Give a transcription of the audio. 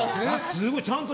すごい、ちゃんと。